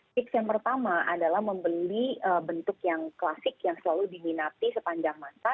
tips yang pertama adalah membeli bentuk yang klasik yang selalu diminati sepanjang masa